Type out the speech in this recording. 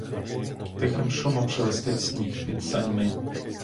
Тихим шумом шелестить сніг під саньми.